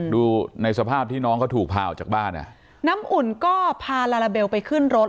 ดูในสภาพที่น้องเขาถูกพาออกจากบ้านอ่ะน้ำอุ่นก็พาลาลาเบลไปขึ้นรถ